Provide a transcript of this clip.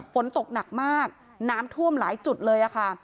ฝนตกหนักมากน้ำท่วมหลายจุดเลยค่ะ